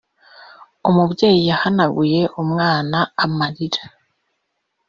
umubyeyi yahanaguye umwana amarira